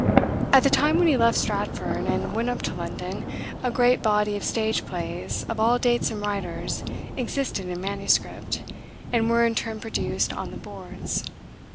At the time when he left Stratford, and went up to London, a great body of stage plays, of all dates and writers, existed in manuscript, and were in turn produced on the boards.